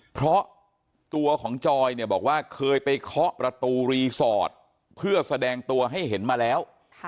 เพราะตัวของจอยเนี่ยบอกว่าเคยไปเคาะประตูรีสอร์ทเพื่อแสดงตัวให้เห็นมาแล้ว